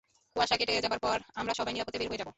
কুয়াশা কেটে যাবার পর আমরা সবাই নিরাপদে বের হয়ে যাবো!